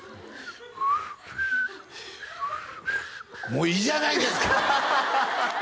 もういいじゃないですか！